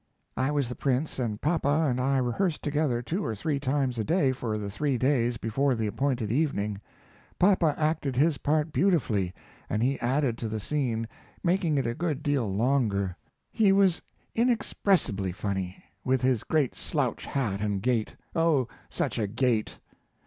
I was the Prince and papa and I rehearsed together two or three times a day for the three days before the appointed evening. Papa acted his part beautifully, and he added to the scene, making it a good deal longer. He was inexpressibly funny, with his great slouch hat and gait oh such a gait!